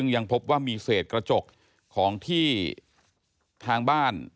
ยังพบว่ามีเศษกระจกของที่ทางบ้าน